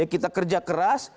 kita kerja keras